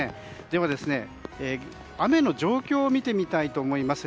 では、雨の状況を見てみたいと思います。